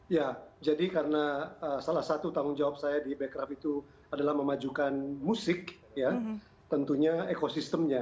ya jadi karena salah satu tanggung jawab saya di becraf itu adalah memajukan musik ya tentunya ekosistemnya